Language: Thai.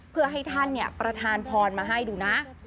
เพื่อให้ท่านประธานพรมาให้ดูนะ